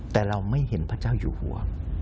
แต่เราไม่เห็นพระเจ้าอยู่หัว